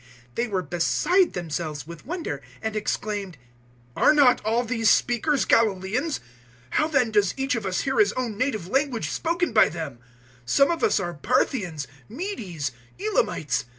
002:007 They were beside themselves with wonder, and exclaimed, "Are not all these speakers Galilaeans? 002:008 How then does each of us hear his own native language spoken by them? 002:009 Some of us are Parthians, Medes, Elamites.